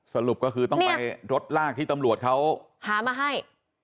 สรุปก็คือต้องไปรถลากที่ตำรวจเขาหามาให้